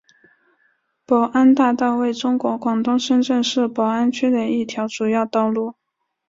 宝安大道为中国广东深圳市宝安区的一条主要道路。